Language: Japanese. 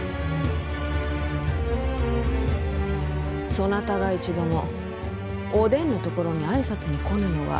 そなたが一度もお伝のところに挨拶に来ぬのは？